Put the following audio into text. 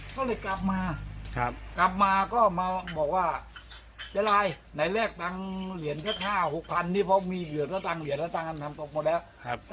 ก็เลยกลับมาครับกลับมาก็มาบอกว่าเจ้าลายไหนแรกตังค์เหรียญแค่ห้าหกพันนี่พอมีเหรียญแล้วตังค์เหรียญแล้วตังค์อันทำตกหมดแล้วครับ